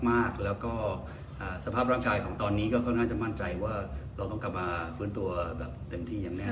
มากแล้วก็สภาพร่างกายของตอนนี้ก็น่าจะมั่นใจว่าเราต้องกลับมาฟื้นตัวแบบเต็มที่อย่างแน่